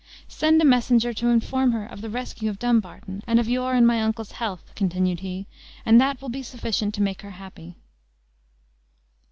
"Send a messenger to inform her of the rescue of Dumbarton, and of your and my uncle's health," continued he, "and that will be sufficient to make her happy."